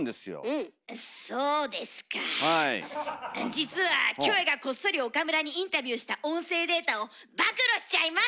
実はキョエがこっそり岡村にインタビューした音声データを暴露しちゃいます！